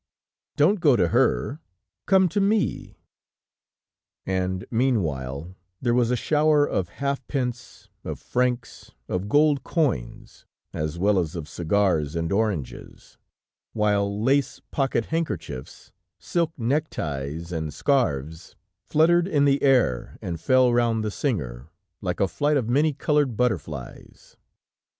"Don't go to her! Come to me." And, meanwhile, there was a shower of half pence, of francs, of gold coins, as well as of cigars and oranges, while lace pocket handkerchiefs, silk neckties, and scarfs fluttered in the air and fell round the singer, like a flight of many colored butterflies.